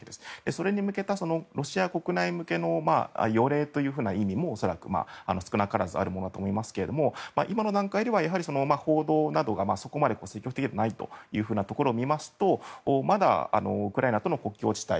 それに向けたロシア国内向けの用例という意味も恐らく少なからずあると思いますが今の段階ではそれが積極的にはないというところを見ますと国境地帯